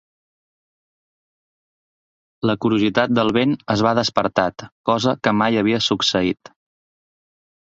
La curiositat del vent es va despertat, cosa que mai havia succeït.